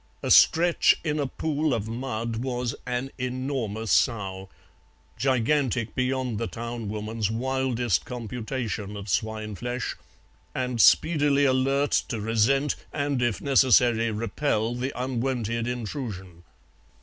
Astretch in a pool of mud was an enormous sow, gigantic beyond the town woman's wildest computation of swine flesh, and speedily alert to resent and if necessary repel the unwonted intrusion.